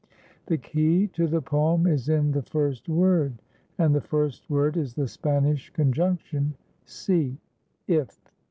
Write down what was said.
The key to the poem is in the first word, and the first word is the Spanish conjunction Si (if).